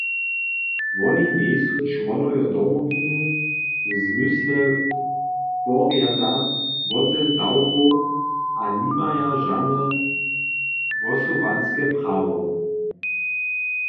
Woni njejsu čłonojo Domowiny w zmysle porjada wotedawkow a nimaja žane hłosowanske prawo.